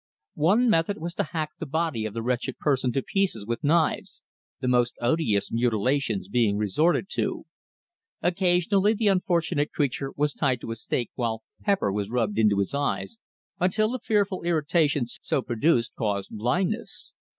One method was to hack the body of the wretched person to pieces with knives, the most odious mutilations being resorted to. Occasionally the unfortunate creature was tied to a stake while pepper was rubbed into his eyes until the fearful irritation so produced caused blindness.